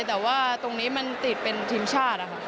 แต่ว่าตรงนี้มันติดเป็นทีมชาตินะคะ